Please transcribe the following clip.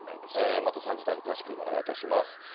また３時台に詳しくお願いします。